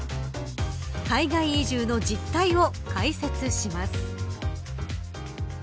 海外移住の実態を解説します。